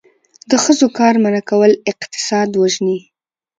د ښځو کار منع کول اقتصاد وژني.